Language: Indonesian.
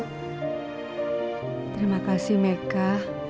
terima kasih meka